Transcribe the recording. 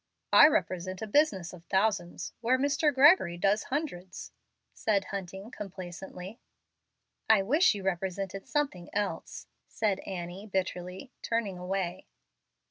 "I represent a business of thousands where Mr. Gregory does hundreds," said Hunting, complacently. "I wish you represented something else," said Annie, bitterly, turning away.